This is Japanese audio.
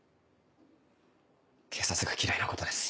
警察が嫌いなことです。